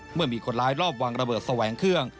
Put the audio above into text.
เมื่อมีคนร้ายรอบวางระเบิดแสวงเครื่อง